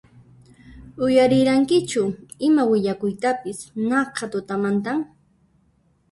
Uyarirankichu ima willakuytapis naqha tutamantan?